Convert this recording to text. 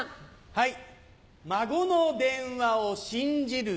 はい。